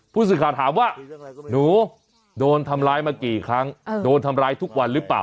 ผู้สื่อข่าวถามว่าหนูโดนทำร้ายมากี่ครั้งโดนทำร้ายทุกวันหรือเปล่า